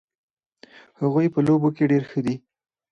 هغوی په لوبو کې ډېر ښه دي